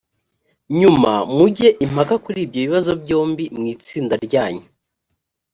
nyuma mujye impaka kuri ibyo bibazo byombi mu itsinda ryanyu